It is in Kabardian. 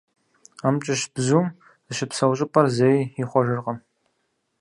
АмкӀыщ бзум зыщыпсэу щӏыпӏэр зэи ихъуэжыркъым.